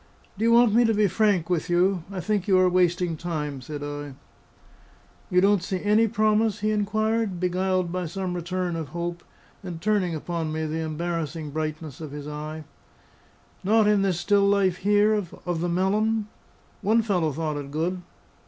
"Do you want me to be frank with you? I think you are wasting time," said I. "You don't see any promise?" he inquired, beguiled by some return of hope, and turning upon me the embarrassing brightness of his eye. "Not in this still life here, of the melon? One fellow thought it good."